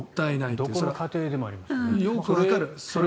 どこの家庭でもあります。